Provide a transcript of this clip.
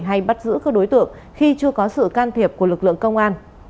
hay bắt giữ các đối tượng khi chưa có sự can thiệp của lực lượng công an